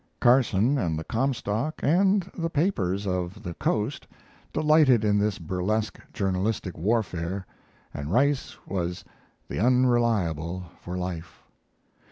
Carson and the Comstock and the papers of the Coast delighted in this burlesque journalistic warfare, and Rice was "The Unreliable" for life.